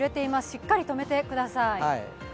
しっかりとめてください。